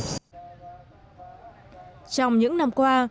trong những năm qua